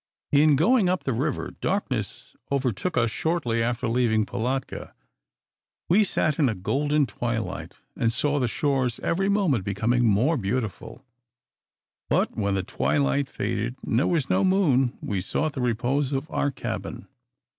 In going up the river, darkness overtook us shortly after leaving Pilatka. We sat in a golden twilight, and saw the shores every moment becoming more beautiful; but when the twilight faded, and there was no moon, we sought the repose of our cabin.